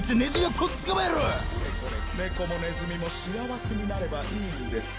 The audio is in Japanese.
これこれネコもネズミも幸せになればいいんです。